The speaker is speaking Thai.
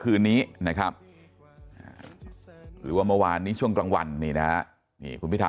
คืนนี้นะครับหรือว่าเมื่อวานนี้ช่วงกลางวันนี่นะนี่คุณพิธา